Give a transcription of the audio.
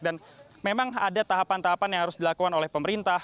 dan memang ada tahapan tahapan yang harus dilakukan oleh pemerintah